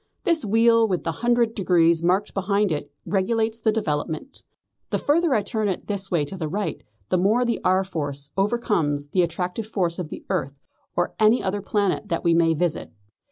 This wheel with the hundred degrees marked behind it regulates the development. The further I turn it this way to the right, the more the R. Force overcomes the attractive force of the earth or any other planet that we may visit.